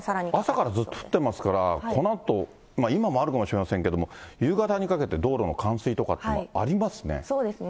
朝からずっと降ってますから、このあと、今もあるかもしれませんけれども、夕方にかけて、道路の冠水とかっていうのはありますそうですね。